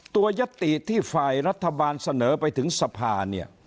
ตัวยศติที่ฝ่ายรัฐบาลเสนอไปถึงสภา